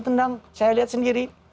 tendang saya lihat sendiri